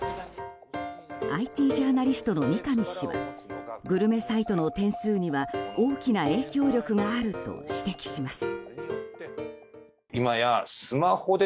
ＩＴジャーナリストの三上氏はグルメサイトの点数には大きな影響力があると指摘します。